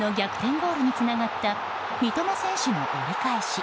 ゴールにつながった三笘選手の折り返し。